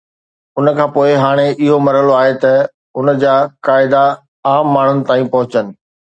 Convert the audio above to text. ان کان پوءِ هاڻي اهو مرحلو آهي ته ان جا فائدا عام ماڻهو تائين پهچن